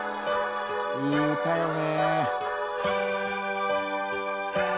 いい歌よね